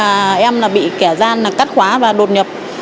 và em là bị kẻ gian cắt khóa và đột nhập